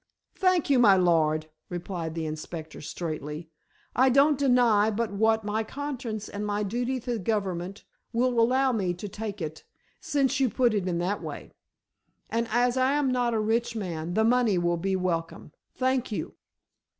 "Thank you, my lord," replied the inspector straightly, "I don't deny but what my conscience and my duty to the Government will allow me to take it since you put it in that way. And as I am not a rich man the money will be welcome. Thank you!"